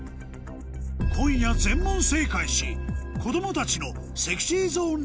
今夜全問正解し子供たちのＳｅｘｙＺｏｎｅ